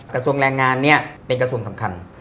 กระทรวงแรงงานเนี่ยเป็นกระทรวงสำคัญ